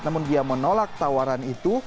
namun dia menolak tawaran itu